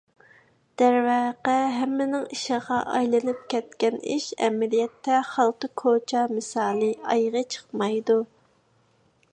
دەرۋەقە ھەممىنىڭ ئىشىغا ئايلىنىپ كەتكەن ئىش ئەمەلىيەتتە خالتا كوچا مىسالى ئايىغى چىقمايدۇ.